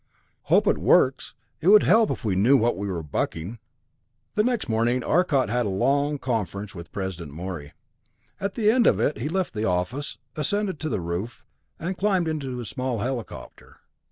"Hope it works. It would help if we knew what we were bucking." The next morning Arcot had a long conference with President Morey. At the end of it, he left the office, ascended to the roof, and climbed into his small helicopter.